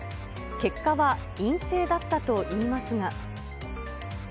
結果は陰性だったといいますが。